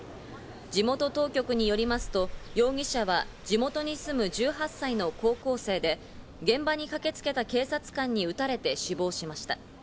地元当局によりますと、容疑者は地元に住む１８歳の高校生で、現場に駆けつけた警察官に撃たれて死亡しました。